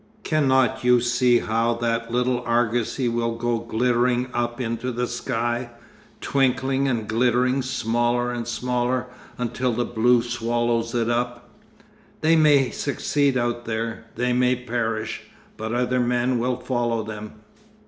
Cannot you see how that little argosy will go glittering up into the sky, twinkling and glittering smaller and smaller until the blue swallows it up. They may succeed out there; they may perish, but other men will follow them....